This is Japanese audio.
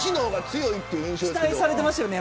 期待されてましたよね